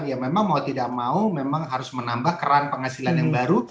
ya memang mau tidak mau memang harus menambah keran penghasilan yang baru